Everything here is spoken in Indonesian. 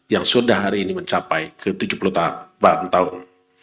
yang sudah hari ini mencapai ke tujuh puluh tahun